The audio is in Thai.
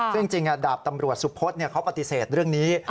ซึ่งจริงดาบตำรวจสุพธเขาปฏิเสธเรื่องนี้